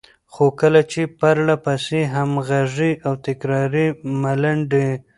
خو کله چې پرلهپسې، همغږې او تکراري ملنډې،